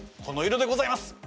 この色でございます。